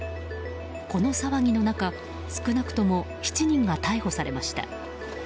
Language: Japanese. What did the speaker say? この騒ぎの中、少なくとも７人が逮捕されました。